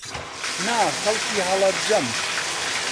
نا، خەڵکی هەڵەبجەم.